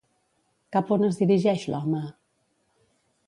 Cap on es dirigeix l'home?